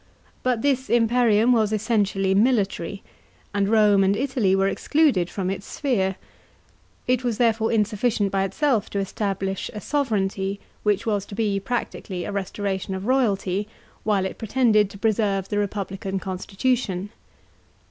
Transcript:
But this im perium was essentially military ; and Rome and Italy were excluded fronf its sphere. It was therefore insufficient by itself to establish a sovranty, which was to be practically a restoration of royalty, while it pretended to preserve the republican constitution.